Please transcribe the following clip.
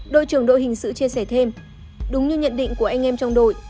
đội trưởng đội hình sự chia sẻ thêm đúng như nhận định của anh em trong đội